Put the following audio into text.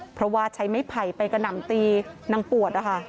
เพราะว่าใช้ไม้ไผ่ไปกระหน่ำตีนางปวดนะคะ